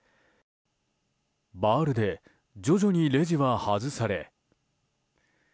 バールで徐々にレジは外され。